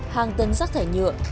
hàng tấn rác thải nhựa